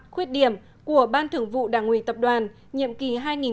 khuyết điểm của ban thưởng vụ đảng ủy tập đoàn nhiệm kỳ hai nghìn một mươi hai nghìn một mươi năm